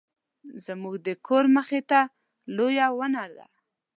زموږ د کور مخې ته لویه ونه ده